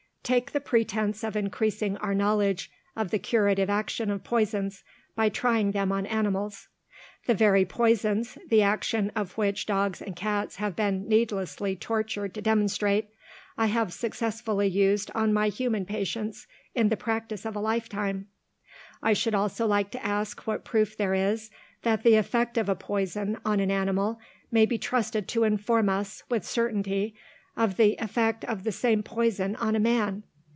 "Take the pretence of increasing our knowledge of the curative action of poisons, by trying them on animals. The very poisons, the action of which dogs and cats have been needlessly tortured to demonstrate, I have successfully used on my human patients in the practice of a lifetime. "I should also like to ask what proof there is that the effect of a poison on an animal may be trusted to inform us, with certainty, of the effect of the same poison on a man.